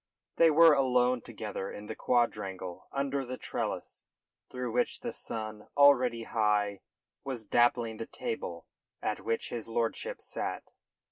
They were alone together in the quadrangle under the trellis, through which the sun, already high, was dappling the table at which his lordship sat.